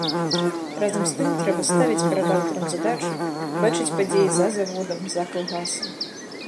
Разам з тым, трэба ставіць перад аўтарам задачу бачыць падзеі за заводам, за калгасам.